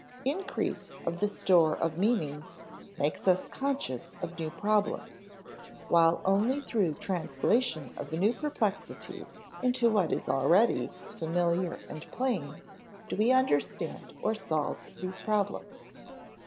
Increase of the store of meanings makes us conscious of new problems, while only through translation of the new perplexities into what is already familiar and plain do we understand or solve these problems.